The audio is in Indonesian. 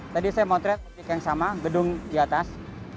tadi saya motret opik yang sama gedung di atas